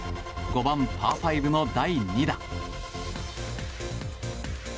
５番、パー５の第２打。